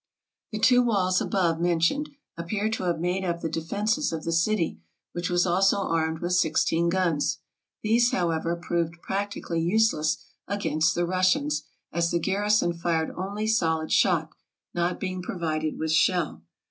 The two walls above mentioned appear to have made up the defenses of the city, which was also armed with sixteen guns. These, however, proved practically useless against the Russians, as the garrison fired only solid shot, not being provided with shell.